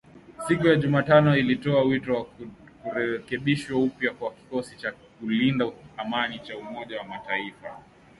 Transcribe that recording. siku ya Jumatano alitoa wito wa kurekebishwa upya kwa kikosi cha kulinda amani cha Umoja wa Mataifa